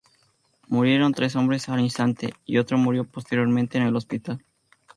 Murieron tres hombres al instante y otro murió posteriormente en el hospital.